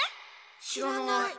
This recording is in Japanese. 知らない。